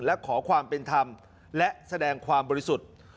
และขอความเป็นธรรมและแสดงความบริสุทธิ์